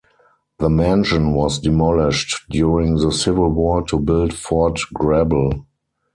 The mansion was demolished during the Civil War to build Fort Greble.